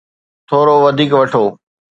ٿورو وڌيڪ وٺو.